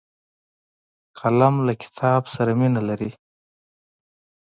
قلم له کتاب سره مینه لري